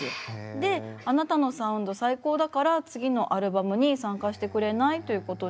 で「あなたのサウンド最高だから次のアルバムに参加してくれない？」ということで。